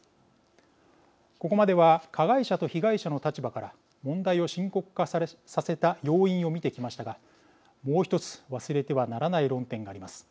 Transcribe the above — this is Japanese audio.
ここまでは加害者と被害者の立場から問題を深刻化させた要因を見てきましたがもう１つ忘れてはならない論点があります。